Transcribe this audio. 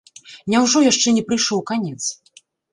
Няўжо яшчэ не прыйшоў канец?